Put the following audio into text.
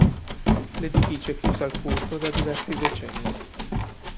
L'edificio è chiuso al culto da diversi decenni.